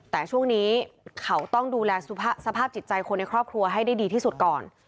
แต่ช่วงนี้เขาต้องดูแลสภาพจิตใจคนในครอบครัวให้ได้ดีที่สุดก่อน